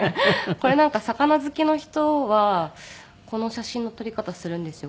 これなんか魚好きの人はこの写真の撮り方するんですよ。